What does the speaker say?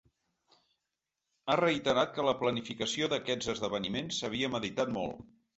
Ha reiterat que la planificació d’aquests esdeveniment s’havia meditat molt.